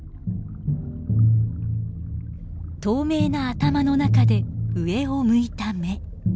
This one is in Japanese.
透明な頭の中で上を向いた目。